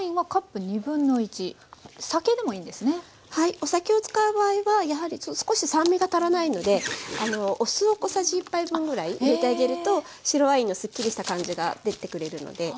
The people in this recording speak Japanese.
お酒を使う場合はやはり少し酸味が足らないのでお酢を小さじ１杯分ぐらい入れてあげると白ワインのすっきりした感じが出てくれるので。